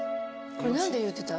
これ何て言ってた？